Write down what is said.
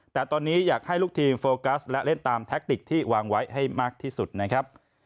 แต่ตอนนี้อยากให้ลูกทีมโฟกัสและเล่นตามแท็กติกที่วางไว้ให้มากที่สุดนะครับ